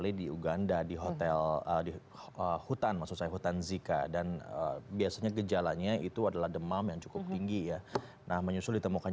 irwin hiroshi masayuki cnn indonesia